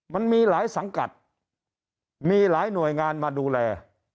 มันมีหลายสังกัดมีหลายหน่วยงานมาดูแล